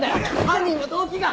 犯人の動機が！